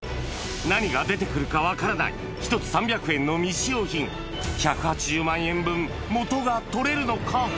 何が出てくるか分からない、１つ３００円の日用品、１８０万円分元が取れるのか？